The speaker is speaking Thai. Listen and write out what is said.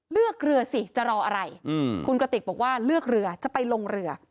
เลือกเรือสิจะรออะไรคุณกระติกบอกว่าเลือกเรือจะไปลงเรือ